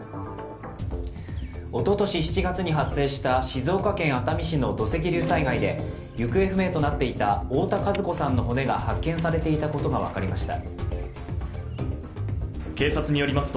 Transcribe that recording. おととし７月に発生した静岡県熱海市の土石流災害で行方不明となっていた太田和子さんの骨が発見されていたことが分かりました。